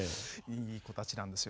いい子たちなんですよ。